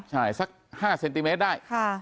ใช่สัก๕เซนติเมตรได้